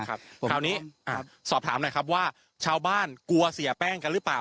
คราวนี้สอบถามหน่อยครับว่าชาวบ้านกลัวเสียแป้งกันหรือเปล่า